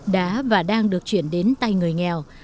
đã và đang được chuyển đến tay người nghèo